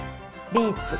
ビーツ。